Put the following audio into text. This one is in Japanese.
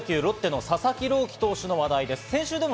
プロ野球・ロッテの佐々木朗希投手の話題です。